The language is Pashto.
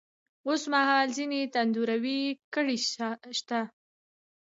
اوس مـهال ځــينې تـنـدروې کـړۍ شـتـه.